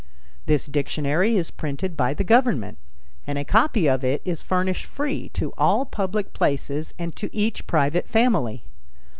This dictionary is printed by the government, and a copy of it is furnished free to all public places and to each private family.